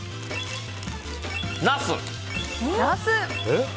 ナス！